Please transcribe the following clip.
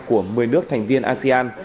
của một mươi nước thành viên asean